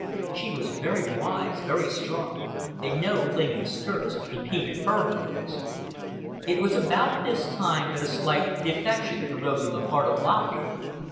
She was very wise, very strong, and no clinging skirts impeded her movements. It was about this time that a slight defection arose on the part of Lop Ear.